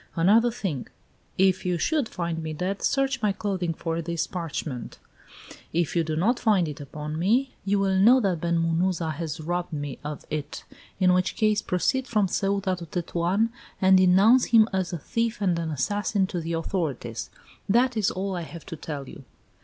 Another thing: if you should find me dead, search my clothing for this parchment; if you do not find it upon me, you will know that Ben Munuza has robbed me of it; in which case proceed from Ceuta to Tetuan and denounce him as a thief and an assassin to the authorities. That is all I have to tell you.